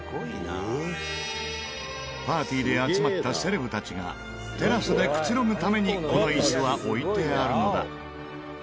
パーティーで集まったセレブたちがテラスでくつろぐためにこの椅子は置いてあるのだ。